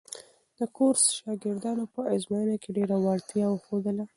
د کورس شاګردانو په ازموینو کې ډېره وړتیا وښودله.